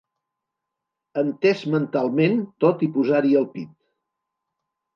Entès mentalment, tot i posar-hi el pit.